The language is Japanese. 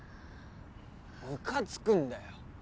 ムカつくんだよ